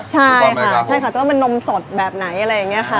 ใช่ค่ะใช่ค่ะจะต้องเป็นนมสดแบบไหนอะไรอย่างนี้ค่ะ